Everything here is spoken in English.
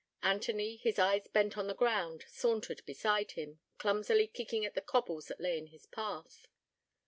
Anthony, his eyes bent on the ground, sauntered beside him, clumsily kicking at the cobbles that lay in his path.